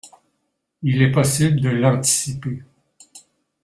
Il est possible de l’anticiper.